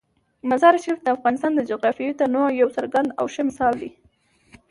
مزارشریف د افغانستان د جغرافیوي تنوع یو څرګند او ښه مثال دی.